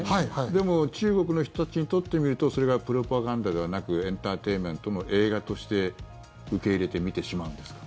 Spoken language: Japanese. でも中国の人たちにとってみるとそれがプロパガンダではなくエンターテインメントの映画として受け入れて見てしまうんですか？